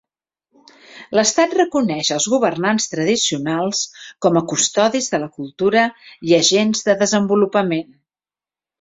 L'estat reconeix als governants tradicionals com a custodis de la cultura i agents de desenvolupament.